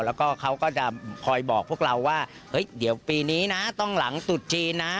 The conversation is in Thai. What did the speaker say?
แล้วก็เขาก็จะคอยบอกพวกเราว่าเฮ้ยเดี๋ยวปีนี้นะต้องหลังตุดจีนนะ